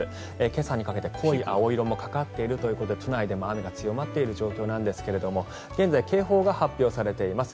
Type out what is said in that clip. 今朝にかけて濃い青色もかかっているということで都内でも雨が強まっている状況なんですが現在、警報が発表されています。